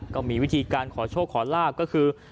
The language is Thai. ก็มีวิธีการขอโชคขอลาบก็คือ